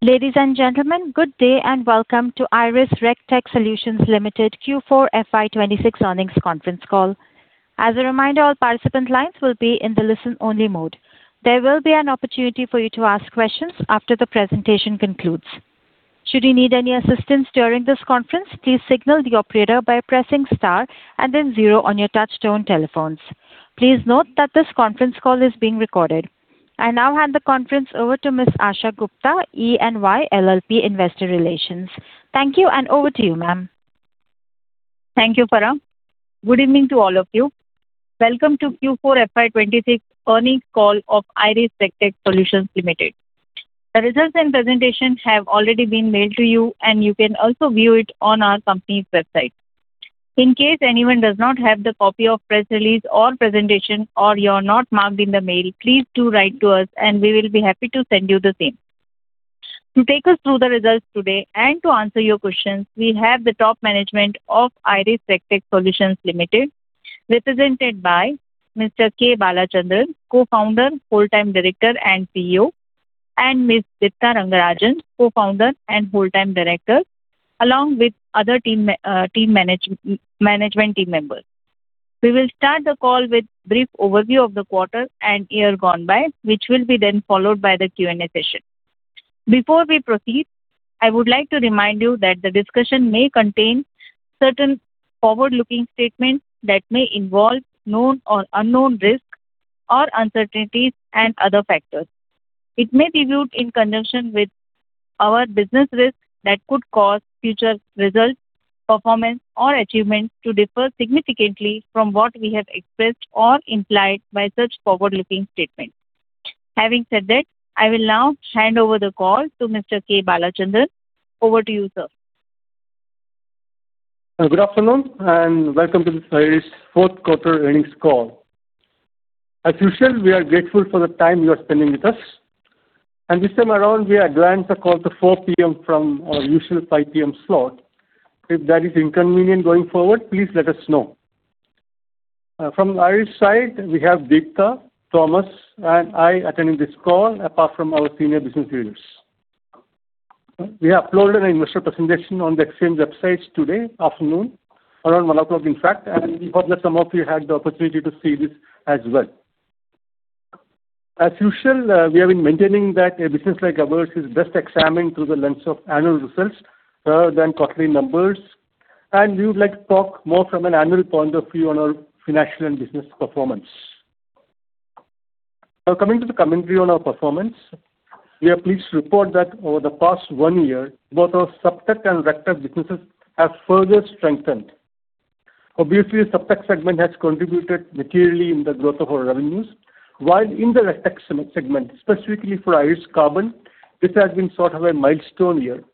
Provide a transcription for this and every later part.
Ladies and gentlemen, good day and welcome to IRIS RegTech Solutions Limited Q4 FY 2026 earnings conference call. As a reminder, all participant lines will be in the listen-only mode. There will be an opportunity for you to ask questions after the presentation concludes. Should you need any assistance during this conference, please signal the operator by pressing star and then zero on your touch-tone telephones. Please note that this conference call is being recorded. I now hand the conference over to Ms. Asha Gupta, EY LLP Investor Relations. Thank you, and over to you, ma'am. Thank you, Farah. Good evening to all of you. Welcome to Q4 FY 2026 earnings call of IRIS RegTech Solutions Limited. The results and presentations have already been mailed to you, and you can also view it on our company's website. In case anyone does not have the copy of press release or presentation, or you're not marked in the mail, please do write to us, and we will be happy to send you the same. To take us through the results today and to answer your questions, we have the top management of IRIS RegTech Solutions Limited, represented by Mr. K. Balachandran, Co-founder, Whole-time Director and CEO, and Ms. Deepta Rangarajan, Co-founder and COO, along with other management team members. We will start the call with brief overview of the quarter and year gone by, which will be then followed by the Q&A session. Before we proceed, I would like to remind you that the discussion may contain certain forward-looking statements that may involve known or unknown risks or uncertainties and other factors. It may be viewed in conjunction with our business risk that could cause future results, performance, or achievements to differ significantly from what we have expressed or implied by such forward-looking statements. Having said that, I will now hand over the call to Mr. K. Balachandran. Over to you, sir. Good afternoon, welcome to the IRIS Q4 earnings call. As usual, we are grateful for the time you are spending with us. This time around, we advanced the call to 4:00 P.M. from our usual 5:00 P.M. slot. If that is inconvenient going forward, please let us know. From IRIS side, we have Deepta, Thomas, and I attending this call apart from our senior business leaders. We have uploaded an investor presentation on the exchange websites today afternoon, around 1:00, in fact, we hope that some of you had the opportunity to see this as well. As usual, we have been maintaining that a business like ours is best examined through the lens of annual results, than quarterly numbers. We would like to talk more from an annual point of view on our financial and business performance. Coming to the commentary on our performance. We are pleased to report that over the past one year, both our SupTech and RegTech businesses have further strengthened. SupTech segment has contributed materially in the growth of our revenues. In the RegTech segment, specifically for IRIS CARBON, this has been sort of a milestone year,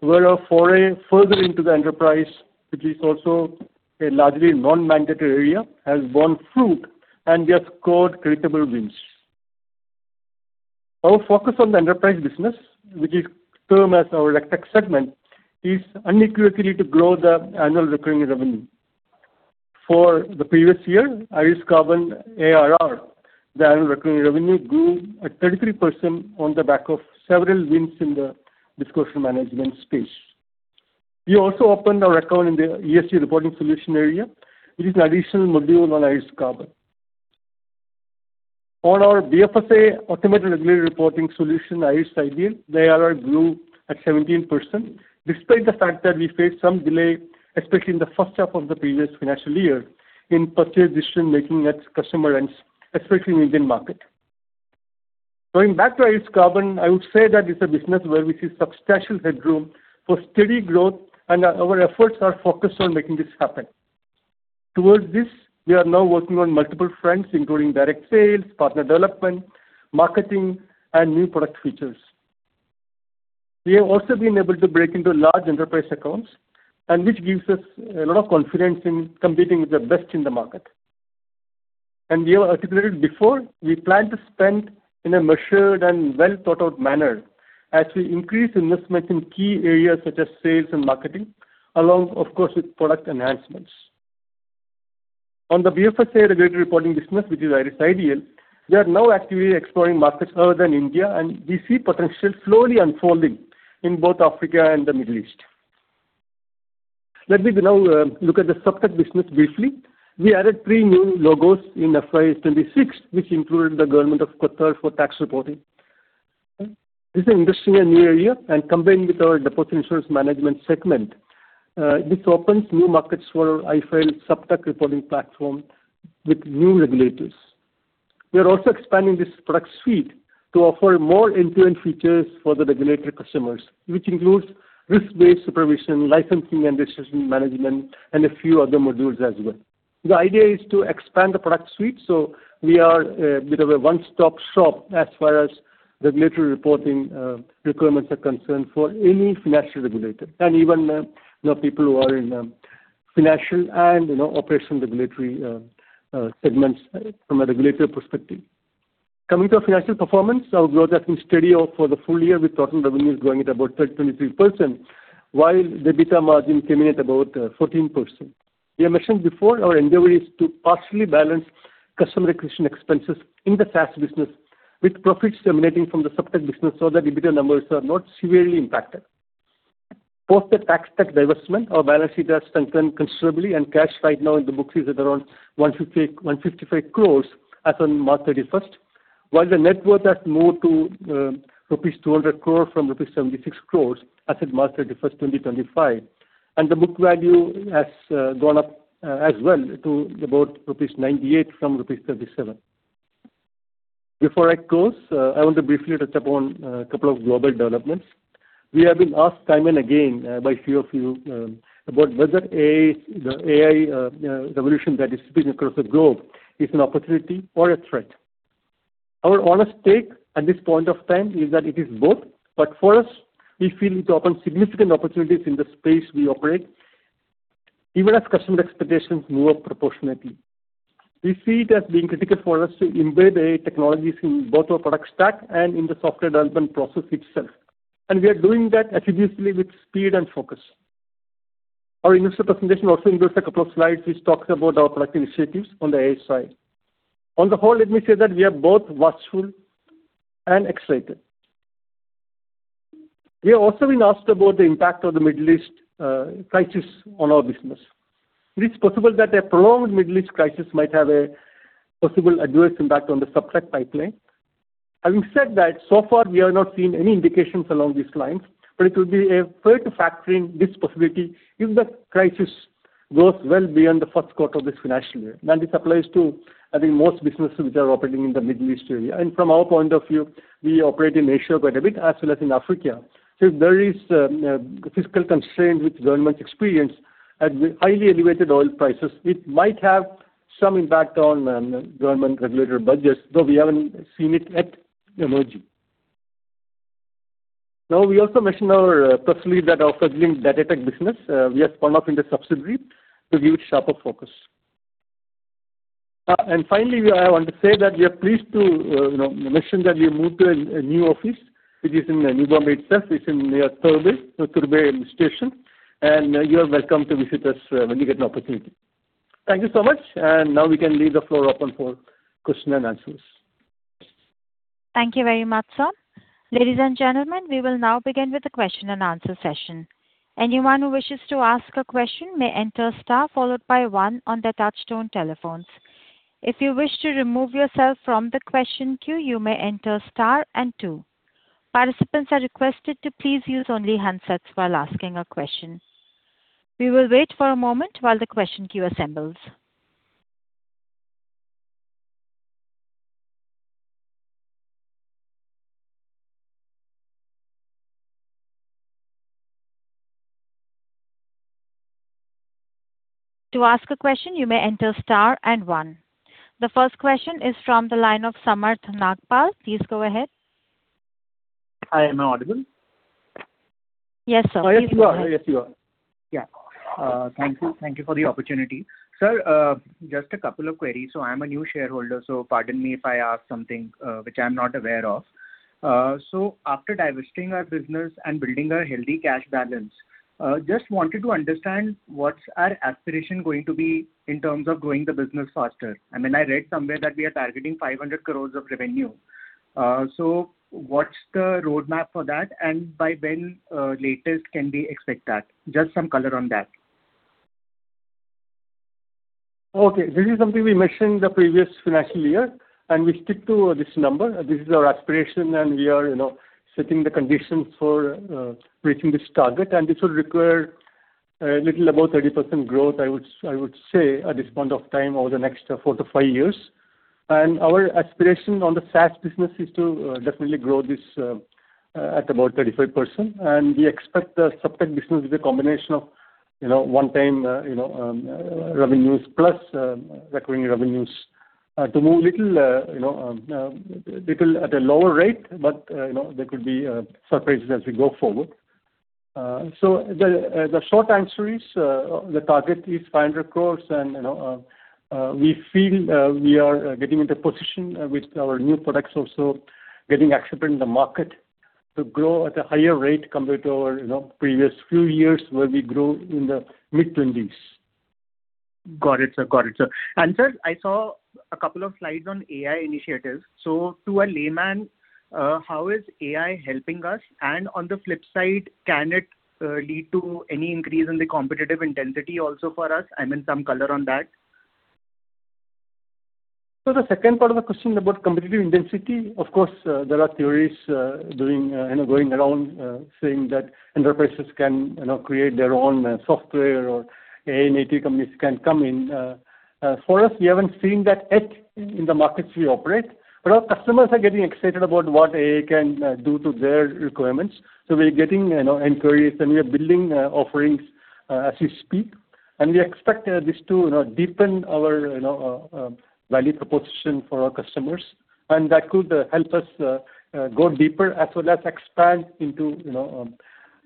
where our foray further into the enterprise, which is also a largely non-mandatory area, has borne fruit and we have scored critical wins. Our focus on the enterprise business, which is termed as our RegTech segment, is unequivocally to grow the annual recurring revenue. For the previous year, IRIS CARBON ARR, the annual recurring revenue, grew at 33% on the back of several wins in the disclosure management space. We also opened our account in the ESG reporting solution area, which is an additional module on IRIS CARBON. On our BFSI automated regulatory reporting solution, IRIS iDEAL, the ARR grew at 17%, despite the fact that we faced some delay, especially in the first half of the previous financial year, in purchase decision-making at customer ends, especially in Indian market. Going back to IRIS CARBON, I would say that it's a business where we see substantial headroom for steady growth, and our efforts are focused on making this happen. Towards this, we are now working on multiple fronts, including direct sales, partner development, marketing, and new product features. We have also been able to break into large enterprise accounts, and which gives us a lot of confidence in competing with the best in the market. We have articulated before, we plan to spend in a measured and well-thought-out manner as we increase investments in key areas such as sales and marketing, along of course with product enhancements. On the BFSI regulatory reporting business, which is IRIS iDEAL, we are now actively exploring markets other than India, and we see potential slowly unfolding in both Africa and the Middle East. Let me now look at the SupTech business briefly. We added three new logos in FY 26, which included the government of Qatar for tax reporting. This is an interesting and new area, and combined with our deposit insurance management segment, this opens new markets for our IRIS iFile SupTech reporting platform with new regulators. We are also expanding this product suite to offer more end-to-end features for the regulatory customers, which includes risk-based supervision, licensing and decision management, and a few other modules as well. The idea is to expand the product suite, we are a bit of a one-stop shop as far as regulatory reporting requirements are concerned for any financial regulator and even, you know, people who are in financial and, you know, operational regulatory segments from a regulatory perspective. Coming to our financial performance, our growth has been steady for the full year, with total revenues growing at about 23%, while the EBITDA margin came in at about 14%. We have mentioned before, our endeavor is to partially balance customer acquisition expenses in the SaaS business with profits emanating from the SupTech business so that EBITDA numbers are not severely impacted. Post the TaxTech divestment, our balance sheet has strengthened considerably and cash right now in the books is at around 150-155 crores as on March 31st. While the net worth has moved to rupees 200 crore from rupees 76 crores as at March 31st, 2025. The book value has gone up as well to about rupees 98 from rupees 37. Before I close, I want to briefly touch upon a couple of global developments. We have been asked time and again by few of you about whether the AI revolution that is sweeping across the globe is an opportunity or a threat. Our honest take at this point of time is that it is both, but for us, we feel it opens significant opportunities in the space we operate, even as customer expectations move up proportionately. We see it as being critical for us to embed AI technologies in both our product stack and in the software development process itself, and we are doing that assiduously with speed and focus. Our investor presentation also includes a couple of slides which talks about our product initiatives on the AI side. On the whole, let me say that we are both watchful and excited. We have also been asked about the impact of the Middle East crisis on our business. It is possible that a prolonged Middle East crisis might have a possible adverse impact on the SupTech pipeline. Having said that, so far we have not seen any indications along these lines, but it will be worth factoring this possibility if the crisis goes well beyond the Q1 of this financial year. This applies to, I think, most businesses which are operating in the Middle East area. From our point of view, we operate in Asia quite a bit as well as in Africa. If there is fiscal constraint which governments experience at the highly elevated oil prices, it might have some impact on government regulator budgets, though we haven't seen it yet emerging. Now, we also mentioned earlier personally that our fledgling DataTech business, we have spun off into a subsidiary to give it sharper focus. Finally, I want to say that we are pleased to, you know, mention that we have moved to a new office which is in Mumbai itself. It's in near Turbhe station. You are welcome to visit us when you get an opportunity. Thank you so much. Now we can leave the floor open for question and answers. Thank you very much, sir. Ladies and gentlemen, we will now begin with the question and answer session. Anyone who wishes to ask a question may enter star followed by one on their touch-tone telephones. If you wish to remove yourself from the question queue, you may enter star and two. Participants are requested to please use only handsets while asking a question. We will wait for a moment while the question queue assembles. To ask a question, you may enter star and one. The first question is from the line of Samarth Nagpal. Please go ahead. Hi, am I audible? Yes, sir. Please go ahead. Oh, yes, you are. Yes, you are. Thank you. Thank you for the opportunity. Sir, just a couple of queries. I'm a new shareholder, so pardon me if I ask something which I'm not aware of. After divesting our business and building a healthy cash balance, just wanted to understand what's our aspiration going to be in terms of growing the business faster. I mean, I read somewhere that we are targeting 500 crores of revenue. What's the roadmap for that? By when, latest can we expect that? Just some color on that. Okay. This is something we mentioned the previous financial year, and we stick to this number. This is our aspiration, and we are, you know, setting the conditions for reaching this target. This will require little above 30% growth, I would say at this point of time over the next four to five years. Our aspiration on the SaaS business is to definitely grow this at about 35%. We expect the SupTech business with a combination of, you know, one-time, you know, revenues plus recurring revenues, to move little, you know, at a lower rate, but, you know, there could be surprises as we go forward. The short answer is, the target is 500 crores and, you know, we feel, we are getting into position, with our new products also getting accepted in the market to grow at a higher rate compared to our, you know, previous few years where we grew in the mid-20s%. Got it, sir. Got it, sir. Sir, I saw a couple of slides on AI initiatives. To a layman, how is AI helping us? On the flip side, can it lead to any increase in the competitive intensity also for us? I mean, some color on that. The second part of the question about competitive intensity, of course, there are theories, doing, you know, going around, saying that enterprises can, you know, create their own, software or AI native companies can come in. For us, we haven't seen that yet in the markets we operate. Our customers are getting excited about what AI can, do to their requirements. We're getting, you know, inquiries, and we are building, offerings, as we speak. We expect, this to, you know, deepen our, you know, value proposition for our customers, and that could, help us, go deeper as well as expand into, you know,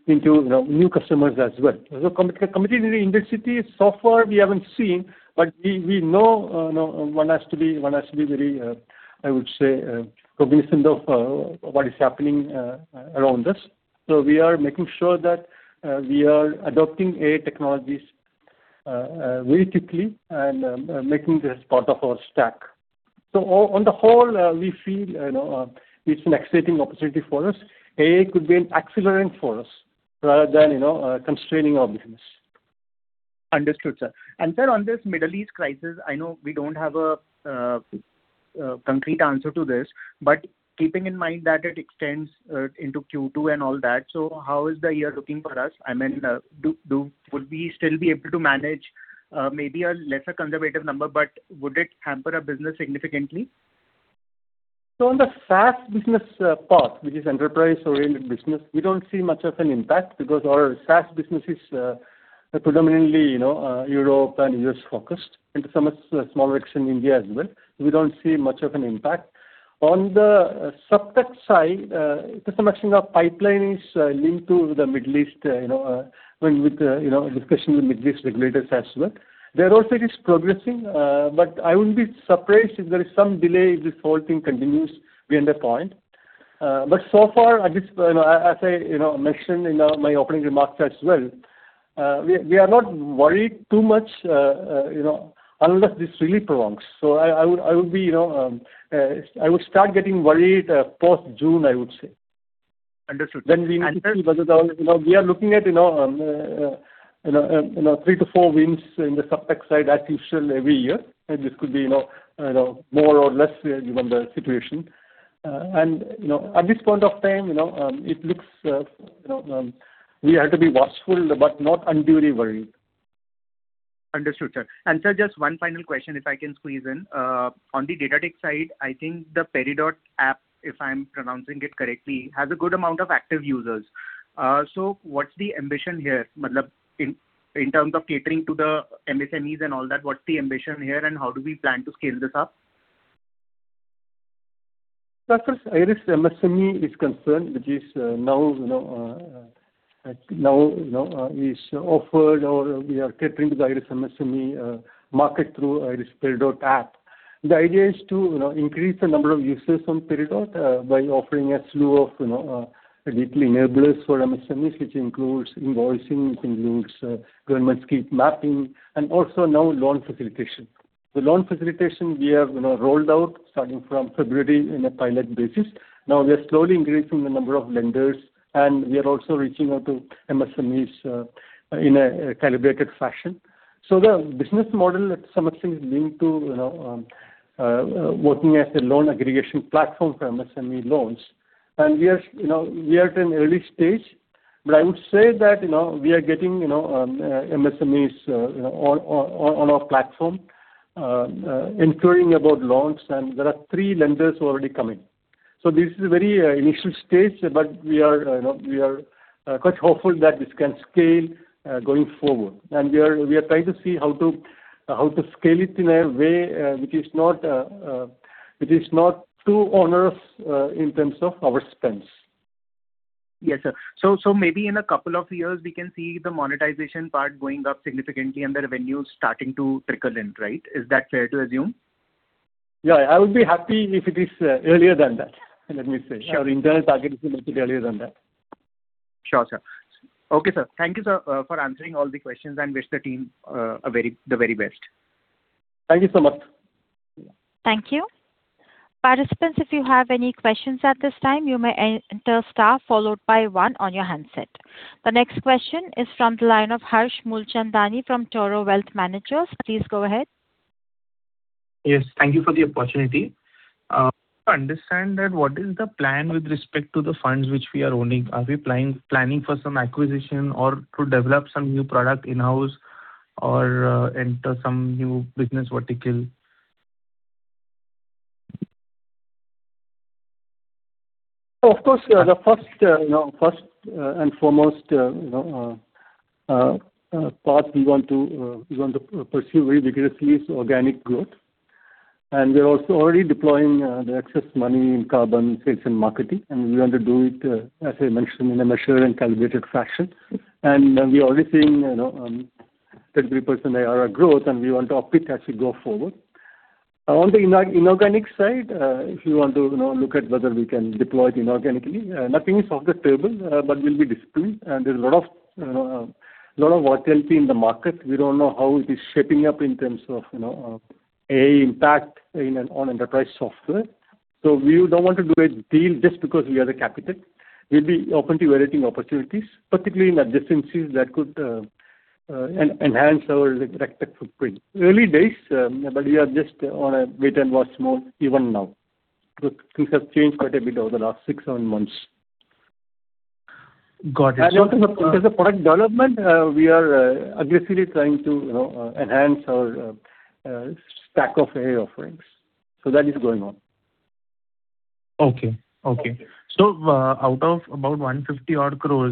into, you know, new customers as well. The competitive intensity so far we haven't seen, but we know, you know, one has to be very, I would say, cognizant of what is happening around us. We are making sure that we are adopting AI technologies very quickly and making this part of our stack. On the whole, we feel, you know, it's an exciting opportunity for us. AI could be an accelerant for us rather than, you know, constraining our business. Understood, sir. Sir, on this Middle East crisis, I know we don't have a concrete answer to this, but keeping in mind that it extends, into Q2 and all that. How is the year looking for us? I mean, would we still be able to manage, maybe a lesser conservative number, but would it hamper our business significantly? On the SaaS business path, which is enterprise-oriented business, we don't see much of an impact because our SaaS business is predominantly Europe and U.S. focused, and to some extent smaller extent India as well. We don't see much of an impact. On the SupTech side, to some extent our pipeline is linked to the Middle East, when with discussions with Middle East regulators as well. There also it is progressing, but I wouldn't be surprised if there is some delay if this whole thing continues beyond a point. So far at this, as I mentioned in my opening remarks as well, we are not worried too much unless this really prolongs. I would be, you know, I would start getting worried, post-June, I would say. Understood, sir. We need to see whether the You know, we are looking at, you know, three to four wins in the SupTech side as usual every year. This could be, you know, more or less given the situation. At this point of time, you know, it looks, you know, we have to be watchful but not unduly worried. Understood, sir. Sir, just one final question, if I can squeeze in. On the DataTech side, I think the Peridot app, if I'm pronouncing it correctly, has a good amount of active users. What's the ambition here? Meaning in terms of catering to the MSMEs and all that, what's the ambition here, and how do we plan to scale this up? As far as IRIS MSME is concerned, which is, now, you know, is offered or we are catering to the IRIS MSME market through IRIS Peridot app. The idea is to, you know, increase the number of users on Peridot by offering a slew of, you know, digital enablers for MSMEs, which includes invoicing, it includes government scheme mapping and also now loan facilitation. The loan facilitation we have, you know, rolled out starting from February in a pilot basis. Now we are slowly increasing the number of lenders, and we are also reaching out to MSMEs in a calibrated fashion. The business model to some extent is linked to, you know, working as a loan aggregation platform for MSME loans. We are, you know, we are at an early stage, but I would say that, you know, we are getting, you know, MSMEs, you know, on our platform, inquiring about loans, and there are three lenders who are already coming. This is a very initial stage, but we are, we are quite hopeful that this can scale going forward. We are, we are trying to see how to scale it in a way, which is not, which is not too onerous, in terms of our spends. Yes, sir. Maybe in two years we can see the monetization part going up significantly and the revenue starting to trickle in, right? Is that fair to assume? Yeah. I would be happy if it is earlier than that, let me say. Sure. Our internal target is a little bit earlier than that. Sure, sir. Okay, sir. Thank you, sir, for answering all the questions and wish the team a very the very best. Thank you so much. Thank you. Participants, if you have any questions at this time, you may enter star followed by one on your handset. The next question is from the line of Harsh Mulchandani from Toro Wealth Management. Please go ahead. Yes. Thank you for the opportunity. To understand that what is the plan with respect to the funds which we are owning? Are we planning for some acquisition or to develop some new product in-house or enter some new business vertical? Of course. The first, you know, and foremost, you know, path we want to pursue very vigorously is organic growth. We are also already deploying the excess money in IRIS CARBON sales and marketing, and we want to do it, as I mentioned, in a measured and calibrated fashion. We are already seeing, you know, 30% ARR growth, and we want to up it as we go forward. On the inorganic side, if you want to, you know, look at whether we can deploy inorganically, nothing is off the table. We'll be disciplined and there's a lot of, you know, a lot of volatility in the market. We don't know how it is shaping up in terms of, you know, AI impact on enterprise software. We don't want to do a deal just because we have the capital. We'll be open to evaluating opportunities, particularly in adjacent fields that could enhance our RegTech footprint. Early days, we are just on a wait and watch mode even now. Things have changed quite a bit over the last six, seven months. Got it. In terms of product development, we are aggressively trying to, you know, enhance our stack of AI offerings. That is going on. Okay. Okay. Out of about 150 odd crore,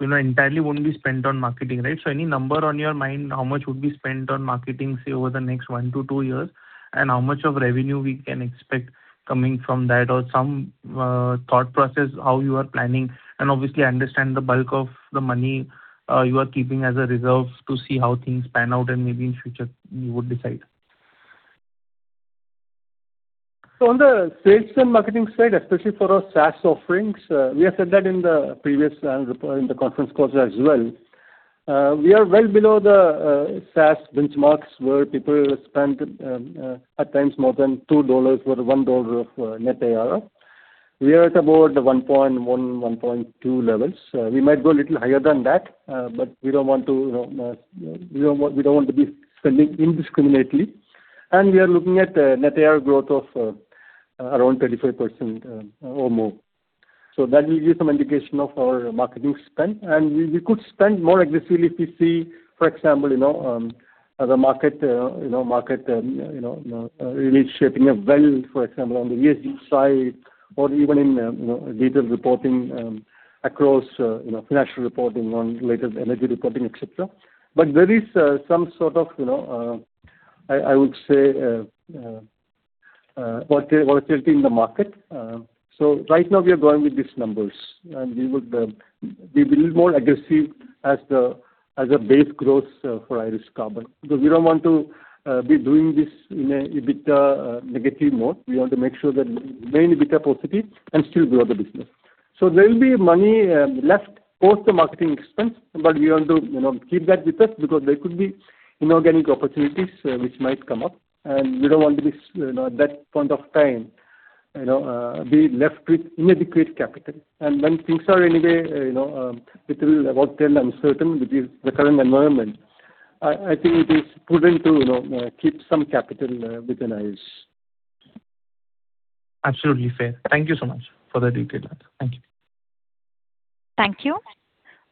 you know, entirely won't be spent on marketing, right? Any number on your mind how much would be spent on marketing, say, over the next one to two years, and how much of revenue we can expect coming from that? Some thought process how you are planning. Obviously understand the bulk of the money you are keeping as a reserve to see how things pan out and maybe in future you would decide. On the sales and marketing side, especially for our SaaS offerings, we have said that in the previous annual report, in the conference calls as well. We are well below the SaaS benchmarks where people spend at times more than $2 for $1 of net ARR. We are at about the 1.1.2 levels. We might go a little higher than that, but we don't want to, you know, we don't want to be spending indiscriminately. We are looking at net ARR growth of around 35% or more. That will give some indication of our marketing spend. We could spend more aggressively if we see, for example, the market really shaping up well, for example, on the ESG side or even in detailed reporting across financial reporting on latest energy reporting, et cetera. There is some sort of volatility in the market. Right now we are going with these numbers, and we would be a little more aggressive as a base growth for IRIS Carbon. We don't want to be doing this in a EBITDA negative mode. We want to make sure that main EBITDA positive and still grow the business. There will be money left post the marketing expense, but we want to, you know, keep that with us because there could be inorganic opportunities, which might come up, and we don't want to be you know, at that point of time, you know, be left with inadequate capital. When things are anyway, you know, little volatile and uncertain with the current environment, I think it is prudent to, you know, keep some capital within IRIS. Absolutely fair. Thank you so much for the detailed data. Thank you. Thank you.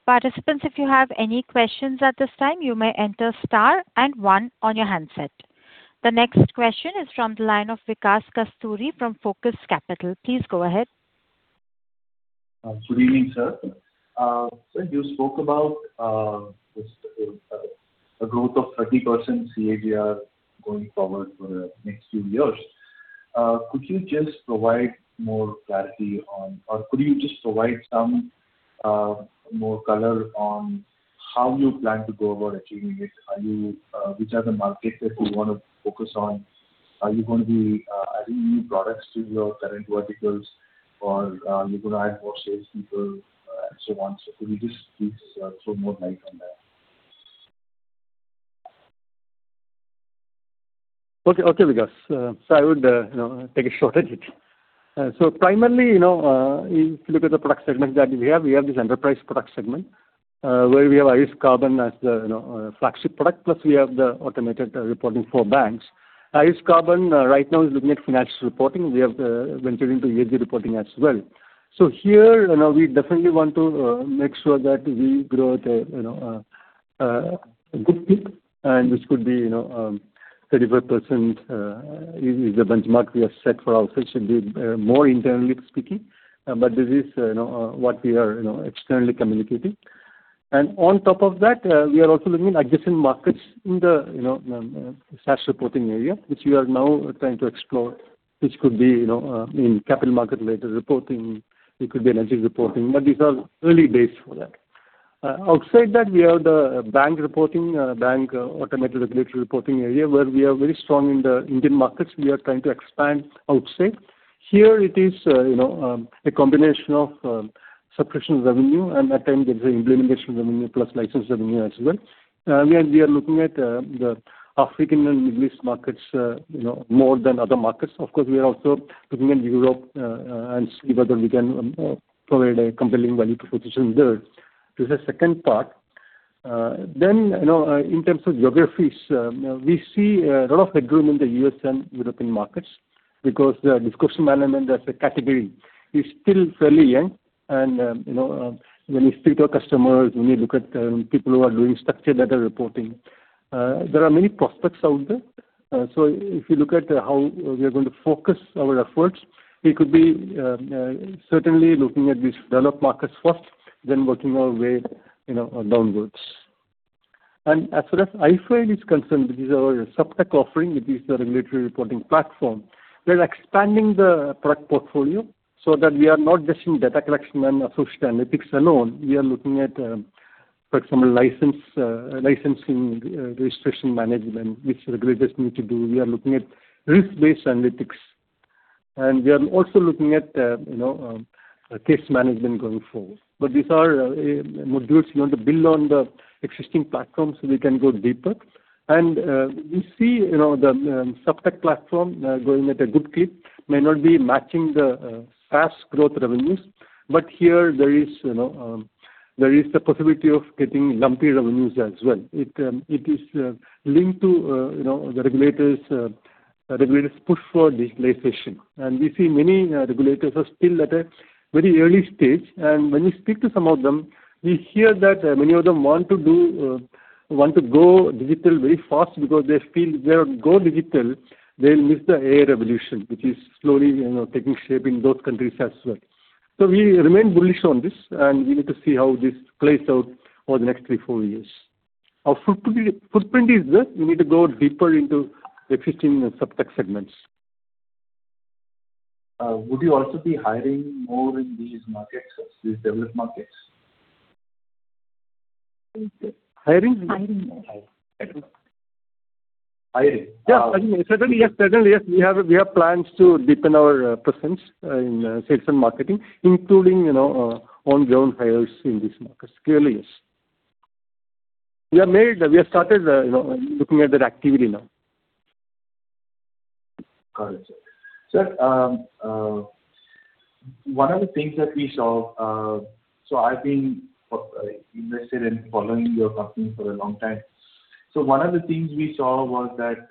Participants, if you have any questions at this time, you may enter star and one on your handset. The next question is from the line of Vikas Kasturi from Focus Capital. Please go ahead. Good evening, sir. Sir, you spoke about this a growth of 30% CAGR going forward for the next few years. Could you just provide some more color on how you plan to go about achieving it? Which are the markets that you wanna focus on? Are you gonna be adding new products to your current verticals or you're gonna add more salespeople and so on? Could you just please throw more light on that? Okay. Okay, Vikas. I would, you know, take a shot at it. Primarily, you know, if you look at the product segments that we have, we have this enterprise product segment, where we have IRIS CARBON as the, you know, flagship product, plus we have the automated reporting for banks. IRIS CARBON, right now is looking at financial reporting. We have ventured into ESG reporting as well. Here, you know, we definitely want to make sure that we grow at a, you know, a good clip, and this could be, you know, 35% is the benchmark we have set for ourselves. It should be more internally speaking, but this is, you know, what we are, you know, externally communicating. On top of that, we are also looking at adjacent markets in the, you know, SaaS reporting area, which we are now trying to explore, which could be, you know, in capital market-related reporting, it could be energy reporting, these are early days for that. Outside that, we have the bank reporting, bank automated regulatory reporting area, where we are very strong in the Indian markets. We are trying to expand outside. Here it is, you know, a combination of subscription revenue and at times there's the implementation revenue plus license revenue as well. Again, we are looking at the African and Middle East markets, you know, more than other markets. Of course, we are also looking at Europe and see whether we can provide a compelling value proposition there. This is second part. You know, in terms of geographies, we see a lot of headroom in the U.S. and European markets because the disclosure management as a category is still fairly young and, you know, when we speak to our customers, when we look at people who are doing structured data reporting, there are many prospects out there. If you look at how we are going to focus our efforts, we could be certainly looking at these developed markets first, then working our way, you know, downwards. As far as iFile is concerned, which is our SupTech offering, it is the regulatory reporting platform. We are expanding the product portfolio so that we are not just in data collection and associated analytics alone. We are looking at, for example, license, licensing, restriction management, which regulators need to do. We are looking at risk-based analytics. We are also looking at, you know, case management going forward. These are modules we want to build on the existing platform so we can go deeper. We see, you know, the SupTech platform growing at a good clip. May not be matching the fast growth revenues, but here there is, you know, there is the possibility of getting lumpy revenues as well. It is linked to, you know, the regulators' push for digitalization. We see many regulators are still at a very early stage. When you speak to some of them, we hear that many of them want to do want to go digital very fast because they feel if they don't go digital, they'll miss the AI revolution, which is slowly, you know, taking shape in those countries as well. We remain bullish on this, and we need to see how this plays out over the next three, 4 years. Our footprint is there. We need to go deeper into existing SupTech segments. Would you also be hiring more in these markets, these developed markets? Hiring? Hiring. Hiring. Yeah, certainly, yes. We have plans to deepen our presence in sales and marketing, including, you know, on-ground hires in these markets. Clearly, yes. We have started, you know, looking at that activity now. Got it, sir. Sir, one of the things that we saw. I've been interested in following your company for a long time. One of the things we saw was that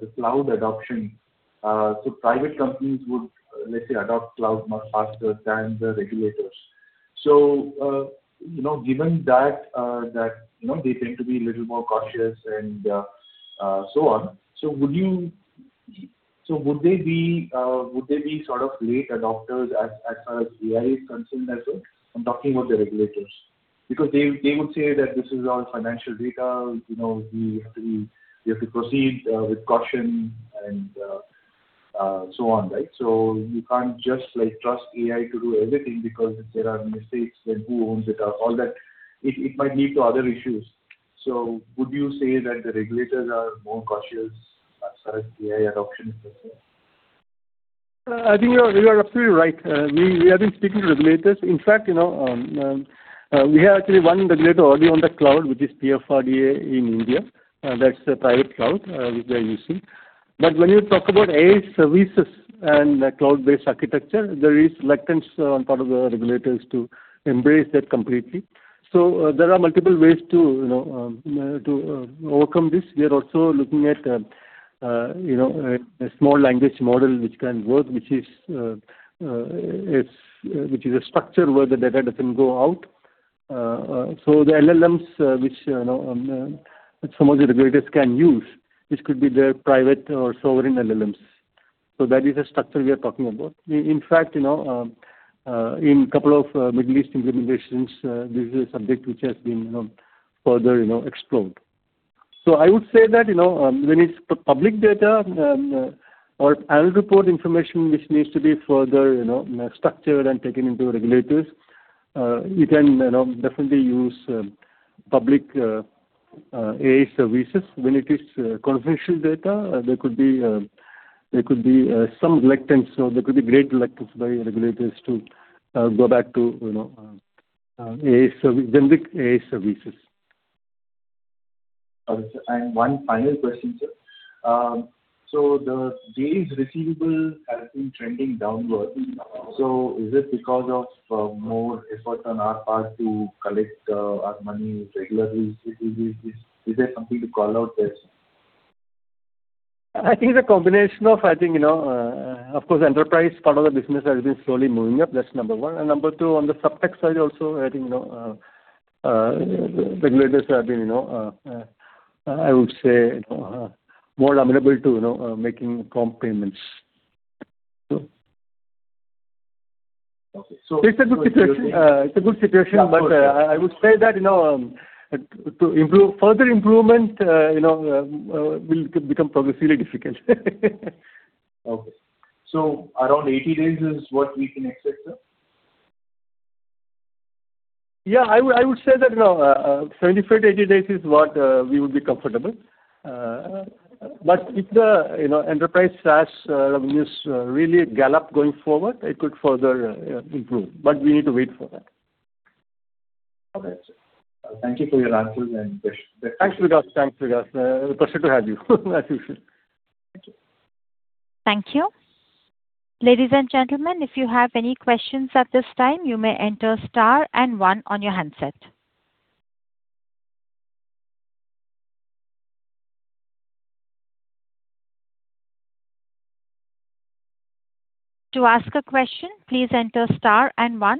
the cloud adoption, private companies would, let's say, adopt cloud much faster than the regulators. You know, given that, you know, they tend to be a little more cautious and so on. Would they be, would they be sort of late adopters as far as AI is concerned as well? I'm talking about the regulators. They would say that this is all financial data. You know, we have to proceed with caution and so on, right? You can't just, like, trust AI to do everything because if there are mistakes, then who owns it? All that. It might lead to other issues. Would you say that the regulators are more cautious as far as AI adoption is concerned? I think you are absolutely right. We have been speaking to regulators. In fact, you know, we have actually one regulator already on the cloud, which is PFRDA in India. That's a private cloud which they're using. When you talk about AI services and cloud-based architecture, there is reluctance on part of the regulators to embrace that completely. There are multiple ways to, you know, overcome this. We are also looking at, you know, a small language model which can work, which is a structure where the data doesn't go out. The LLMs which, you know, some of the regulators can use, which could be their private or sovereign LLMs. That is a structure we are talking about. In fact, you know, in couple of Middle East implementations, this is a subject which has been, you know, further, you know, explored. I would say that, you know, when it's public data, or annual report information which needs to be further, you know, structured and taken into regulators, you can, you know, definitely use public AI services. When it is confidential data, there could be, there could be some reluctance or there could be great reluctance by regulators to go back to, you know, generic AI services. Got it, sir. One final question, sir. The days receivable has been trending downward. Is it because of more effort on our part to collect our money regularly? Is there something to call out there, sir? I think it's a combination of, I think, you know, of course, enterprise part of the business has been slowly moving up. That's number one. Number two, on the SupTech side also, I think, you know, regulators have been, you know, I would say, you know, making prompt payments. Okay. It's a good situation. Yeah, of course, sir. I would say that, you know, further improvement, you know, will become progressively difficult. Okay. Around 80 days is what we can expect, sir? Yeah, I would say that, you know, 75, 80 days is what we would be comfortable. If the, you know, enterprise SaaS, revenues really gallop going forward, it could further improve. We need to wait for that. Got it, sir. Thank you for your answers and wish best of luck. Thanks, Vikas. Pleasure to have you as usual. Thank you. Thank you. Ladies and gentlemen, if you have any questions at this time, you may enter star and one on your handset. To ask a question, please enter star and one.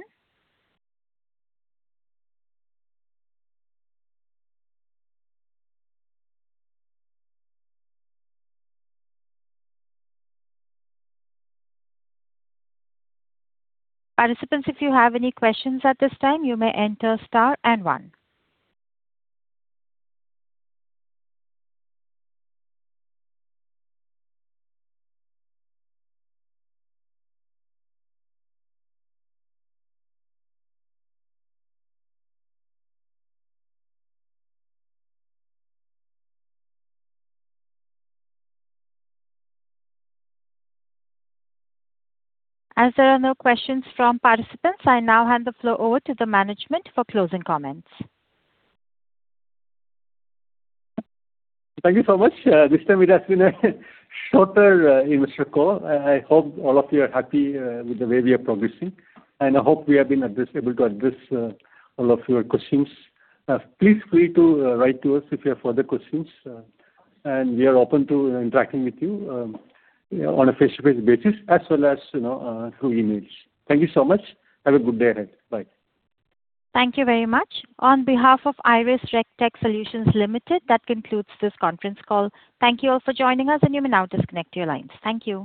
Participants, if you have any questions at this time, you may enter star and one. As there are no questions from participants, I now hand the floor over to the management for closing comments. Thank you so much. This time it has been a shorter investor call. I hope all of you are happy with the way we are progressing, and I hope we have been able to address all of your questions. Please feel free to write to us if you have further questions. We are open to interacting with you on a face-to-face basis as well as, you know, through emails. Thank you so much. Have a good day ahead. Bye. Thank you very much. On behalf of IRIS RegTech Solutions Limited, that concludes this conference call. Thank you all for joining us, and you may now disconnect your lines. Thank you.